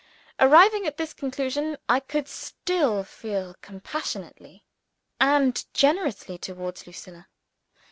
Arriving at this conclusion, I could still feel compassionately and generously towards Lucilla.